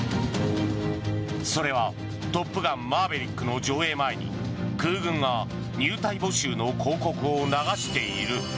それは「トップガンマーヴェリック」上映前に空軍が入隊募集の広告を流している。